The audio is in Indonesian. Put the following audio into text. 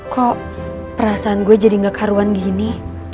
kok perasaan gue jadi gak karuan gini